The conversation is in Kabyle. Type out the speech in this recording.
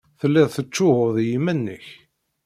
Tellid tettcuḥḥud i yiman-nnek.